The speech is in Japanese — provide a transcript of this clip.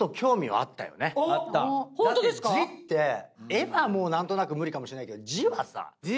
絵はもう何となく無理かもしれないけど字はさ。